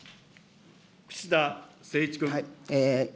串田誠一君。